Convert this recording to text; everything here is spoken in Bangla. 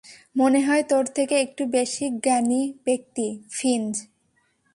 মনেহয় তোর থেকে একটু বেশি জ্ঞানী ব্যাক্তি, ফিঞ্চ।